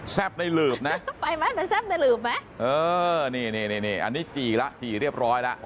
แซ่บในหลืบนะไปไหมแซ่บในหลืบไหมอันนี้จี๋แล้วจี๋เรียบร้อยแล้ว